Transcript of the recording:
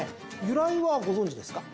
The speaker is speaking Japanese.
由来はご存じですか？